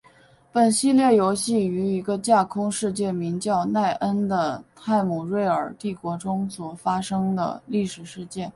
本系列游戏于一个架空世界名叫奈恩的泰姆瑞尔帝国中所发生的历史事件。